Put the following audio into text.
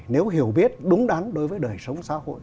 nếu hiểu biết đúng đắn đối với đời sống xã hội